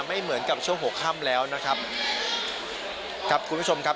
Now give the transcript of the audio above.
ไม่เหมือนกับช่วงหัวค่ำแล้วนะครับครับคุณผู้ชมครับ